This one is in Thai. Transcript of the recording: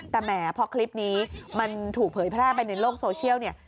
แต่แหมพอคลิปนี้มันถูกเผยแพร่ไปในโลกโซเชียลเนี่ย